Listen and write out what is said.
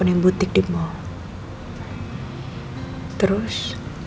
aku menganggap kalau aku tidak mimpin seluar